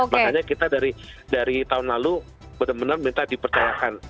makanya kita dari tahun lalu benar benar minta dipercayakan